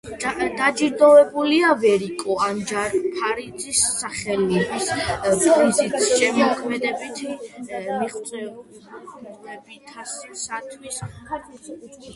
დაჯილდოებულია ვერიკო ანჯაფარიძის სახელობის პრიზით შემოქმედებითი მიღწევებისათვის.